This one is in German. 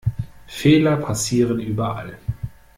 Fehler passieren überall.